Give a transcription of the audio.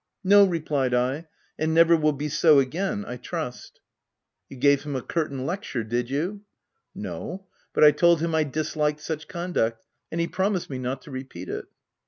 * No,'* replied I, " and never will be so again I trust." VOL. II. H 146 THE TENANT " You gave him a curtain lecture, did you ?"" No ; but I told him I disliked such conduct, and he promised me not to repeat it."